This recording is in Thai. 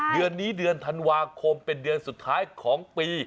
เดือนนี้เดือนธันวาคมเป็นเดือนสุดท้ายของปี